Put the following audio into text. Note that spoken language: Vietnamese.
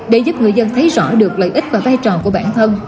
để giúp người dân thấy rõ được lợi ích và vai trò của bản thân